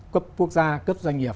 cấp quốc gia cấp doanh nghiệp